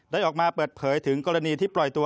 ออกมาเปิดเผยถึงกรณีที่ปล่อยตัว